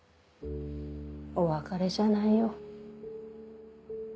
お別れじゃないよ。